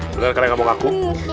beneran kalian gak mau ngaku